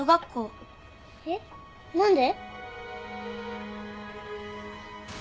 えっ？何で？